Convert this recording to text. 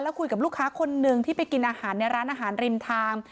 คุยกับลูกค้าคนหนึ่งที่ไปกินอาหารในร้านอาหารริมทาง